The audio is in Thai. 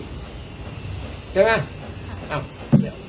วันนั้งมีวันนึงไปตรวจเจอตฐานรายพาง